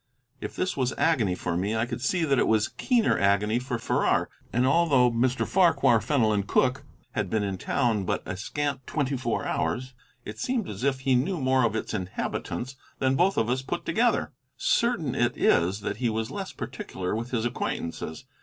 If this was agony for me, I could see that it was keener agony for Farrar. And although Mr. Farquhar Fenelon Cooke had been in town but a scant twenty four hours, it seemed as if he knew more of its inhabitants than both of us put together. Certain it is that he was less particular with his acquaintances.